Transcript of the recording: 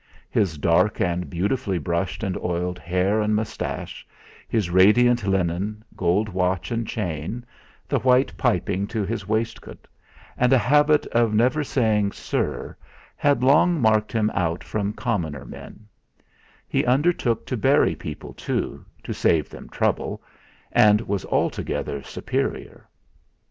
His dark and beautifully brushed and oiled hair and moustache, his radiant linen, gold watch and chain, the white piping to his waistcoat, and a habit of never saying "Sir" had long marked him out from commoner men; he undertook to bury people too, to save them trouble; and was altogether superior.